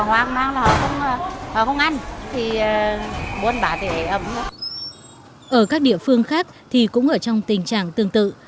ở các địa phương khác thì cũng ở trong tình trạng tương tự